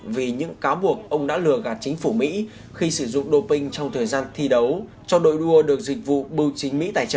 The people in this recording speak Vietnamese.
vì những cáo buộc ông đã lừa gạt chính phủ mỹ khi sử dụng doping trong thời gian thi đấu cho đội đua được dịch vụ biểu chính mỹ tài trợ